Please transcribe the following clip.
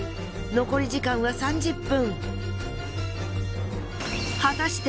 残り時間は３０分。